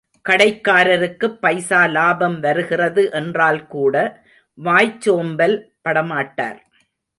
கடைக்காரருக்குப் பைசா லாபம் வருகிறது என்றால்கூட, வாய்ச்சோம்பல் படமாட்டார்.